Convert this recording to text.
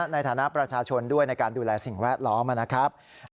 ในฐานะประชาชนด้วยในการดูแลสิ่งแวดล้อมนะครับ